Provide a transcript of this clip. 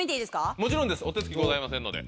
もちろんお手つきございません。